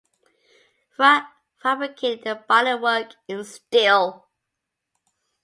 Frua fabricated the bodywork in steel.